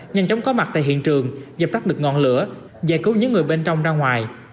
nhanh chóng có mặt tại hiện trường dập tắt được ngọn lửa giải cứu những người bên trong ra ngoài